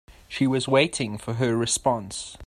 She was waiting for her response.